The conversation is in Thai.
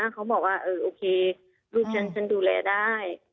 เขาบอกว่าโอเคลูกฉันฉันดูแลได้